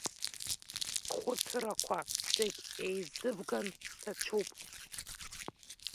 Схәыцрақәа зегь еизыбган, сҭацәуп.